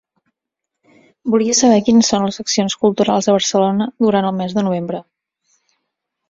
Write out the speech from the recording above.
Volia saber quines son les accions culturals a Barcelona durant el mes de novembre.